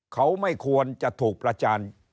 เขาไม่ควรจะถูกประจาน